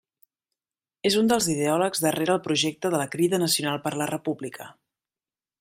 És un dels ideòlegs darrere el projecte de la Crida Nacional per la República.